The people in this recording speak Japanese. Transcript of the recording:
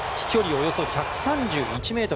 およそ１３１ｍ。